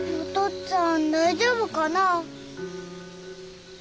っつぁん大丈夫かな？